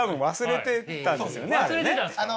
忘れてたんですか？